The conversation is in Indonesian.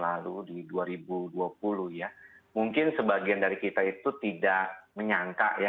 saya lihat dari tahun lalu di dua ribu dua puluh ya mungkin sebagian dari kita itu tidak menyangka ya